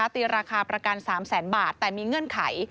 ตีราคาประกัน๓แสนบาทแต่มีเงื่อนไข